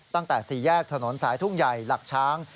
ตั้งแต่สี่แยกถนนสายทุ่งใหญ่หลักช้าง